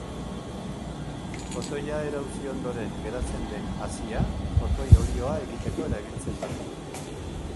Kotoia erauzi ondoren geratzen den hazia kotoi-olioa egiteko erabiltzen da.